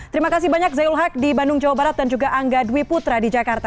terima kasih banyak zaiul haq di bandung jawa barat dan juga angga dwi putra di jakarta